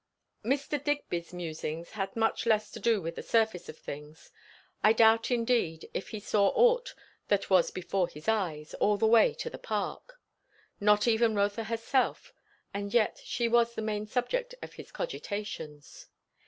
Mr. Digby's musings had much less to do with the surface of things. I doubt indeed if he saw ought that was before his eyes, all the way to the Park. Not even Rotha herself; and yet she was the main subject of his cogitations.